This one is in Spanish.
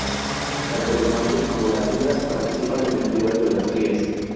Tanto los machos como las hembras participan en el cuidado de las crías.